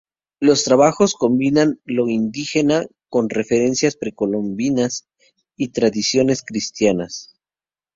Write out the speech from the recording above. Los trabajos combinan lo indígena con referencias precolombinas y tradiciones cristianas.